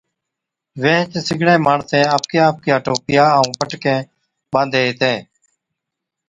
ويھِچ سِگڙين ماڻسين آپڪِيا آپڪِيا ٽوپيا ائُون پٽڪين ٻانڌي ھِتين